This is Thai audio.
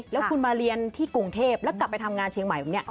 แล้วคุณมาเรียนที่กรุงเทพแล้วกลับไปทำงานเชียงใหม่แบบนี้